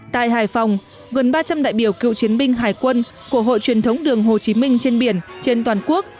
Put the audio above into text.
tại hải phòng gần ba trăm linh đại biểu cựu chiến binh hải quân của hội truyền thống đường hồ chí minh trên biển trên toàn quốc